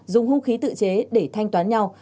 dùng hung khí tự chế để thanh toán nhau